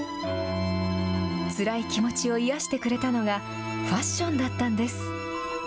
つらい気持ちを癒やしてくれたのがファッションだったんです。